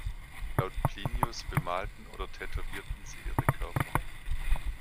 Laut Plinius bemalten oder tätowierten sie ihre Körper.